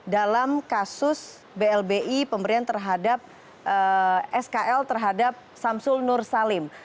dalam kasus blbi pemberian terhadap skl terhadap samsul nur salim